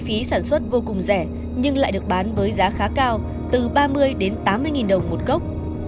phí sản xuất vô cùng rẻ nhưng lại được bán với giá khá cao từ ba mươi đến tám mươi nghìn đồng một cốc